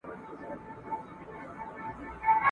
ستا په مالت کي مي خپل سیوري ته خجل نه یمه ..